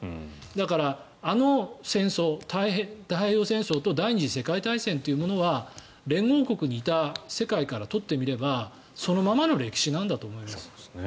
だからあの戦争、太平洋戦争と第２次世界大戦というものは連合国にいた世界からとってみればそのままの歴史なんだと思います。